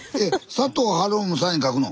佐藤春夫もサイン書くの？